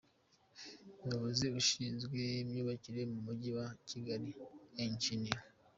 Umuyobozi ushinzwe imyubakire mu Mujyi wa Kigali, Eng.